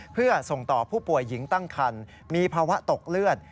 เพื่อส่งต่อผู้ป่วยหญิงตั้งคันมีภาวะตกเลือด